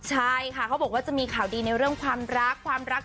ใช่ค่ะเขาบอกว่าจะมีข่าวดีในเรื่องความรักความรัก